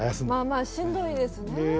まあまあしんどいですね。